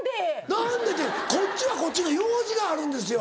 「何で？」ってこっちはこっちの用事があるんですよ！